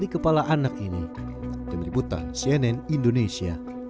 kepala anak ini